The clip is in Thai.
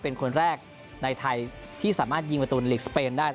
เป็นคนแรกในไทยที่สามารถยิงประตูลีกสเปนได้